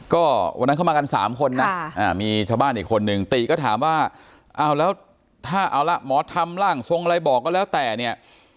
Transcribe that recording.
ก็วันนั้นเข้ามากัน๓คนนะมีชาวบ้านอีกคนนึงติก็ถามว่าเอาแล้วถ้าเอาละหมอทำร่างทรงอะไรบอกก็แล้วแต่เนี่ย